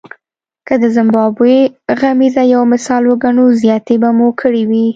که د زیمبابوې غمیزه یو مثال وګڼو زیاتی به مو کړی وي.